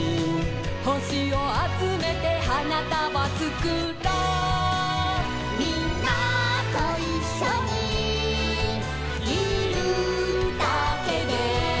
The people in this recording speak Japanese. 「ほしをあつめてはなたばつくろ」「みんなといっしょにいるだけで」